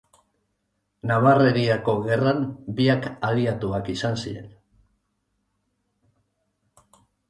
Nabarreriako Gerran biak aliatuak izan ziren.